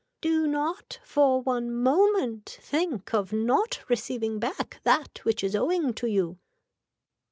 Do not for one moment think of not receiving back that which is owing to you.